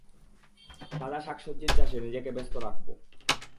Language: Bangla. তাজা শাকসবজির চাষে নিজেকে ব্যস্ত রাখব!